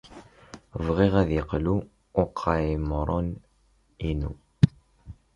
Bɣiɣ ad d-yeqlu uqayemrun-inu.